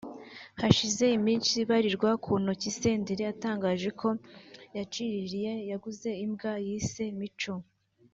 Hashize iminsi ibarirwa ku ntoki Senderi atangaje ko yaciririye [yaguze] imbwa yise ‘Mico’